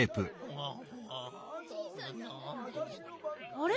あれ？